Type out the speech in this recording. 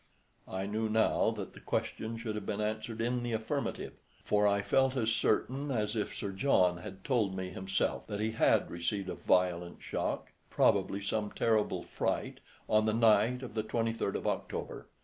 I knew now that the question should have been answered in the affirmative, for I felt as certain as if Sir John had told me himself that he had received a violent shock, probably some terrible fright, on the night of the 23d of October.